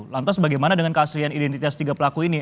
lantas bagaimana dengan keaslian identitas tiga pelaku ini